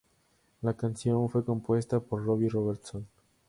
La canción fue compuesta por Robbie Robertson.